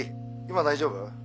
今大丈夫？